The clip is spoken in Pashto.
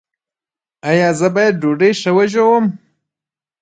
ایا زه باید ډوډۍ ښه وژووم؟